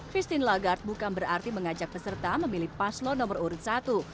christine lagarde bukan berarti mengajak peserta memilih paslo nomor urut satu